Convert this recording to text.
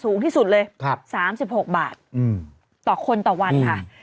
สูงที่สุดเลย๓๖บาทต่อคนต่อวันค่ะ